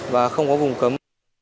và không có vùng cấm